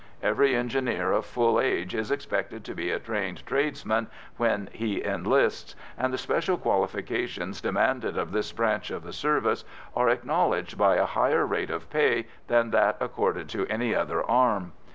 Every engineer of full age is expected to be a trained tradesman when he enlists, and the special qualifications demanded of this branch of the service are acknowledged by a higher rate of pay than that accorded to any other arm.